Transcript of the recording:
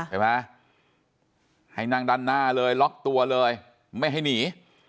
เห็นไหมให้นั่งด้านหน้าเลยล็อกตัวเลยไม่ให้หนี